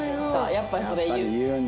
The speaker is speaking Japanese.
やっぱそれ言う。